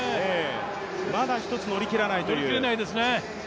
まだ一つ乗り切らないという。